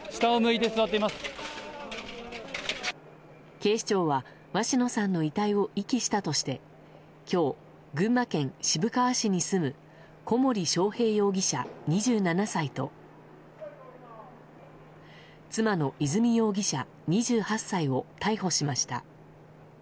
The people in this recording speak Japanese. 警視庁は鷲野さんの遺体を遺棄したとして今日、群馬県渋川市に住む小森章平容疑者、２７歳と妻の和美容疑者、２８歳を逮捕しました。